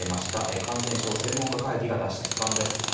感染症専門家会議が出した試算です。